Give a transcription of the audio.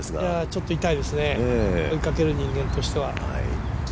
ちょっと痛いですね、追いかける人間としては。